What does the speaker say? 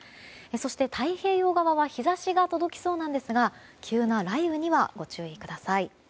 そして、太平洋側は日差しが届きそうなんですが急な雷雨にはご注意ください。